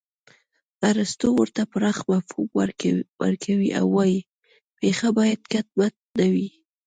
ارستو ورته پراخ مفهوم ورکوي او وايي پېښه باید کټ مټ نه وي